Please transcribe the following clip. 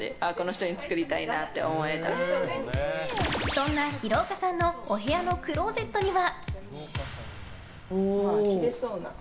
そんな廣岡さんのお部屋のクローゼットには。